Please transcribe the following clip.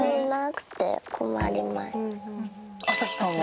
朝日さんは？